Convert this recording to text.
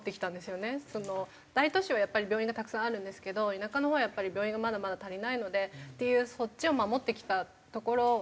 大都市はやっぱり病院がたくさんあるんですけど田舎のほうはやっぱり病院がまだまだ足りないのでっていうそっちを守ってきたところ。